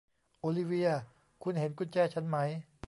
โอลิเวียคุณเห็นกุญแจฉันไหม